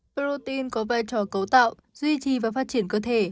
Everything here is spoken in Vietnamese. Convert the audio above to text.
protein có vai trò cấu tạo duy trì và phát triển cơ thể